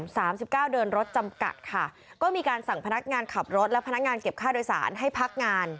สามสิบเก้าเดินรถจำกัดค่ะก็มีการสั่งพนักงานขับรถและพนักงานเก็บค่าโดยสารให้พักงาน